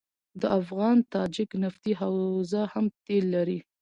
د افغان تاجک نفتي حوزه هم تیل لري.